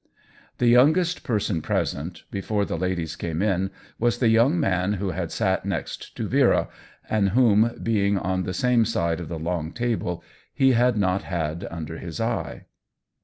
The youngest person present, before the ladies came in, was the young man who had sat next to Vera, and whom, being on the same side of the long table, hethad not had under his eye.